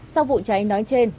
sau vụ cháy nói trên